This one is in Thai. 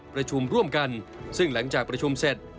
ประชุมร่วมกันซึ่งหลังจากประชุมเสร็จ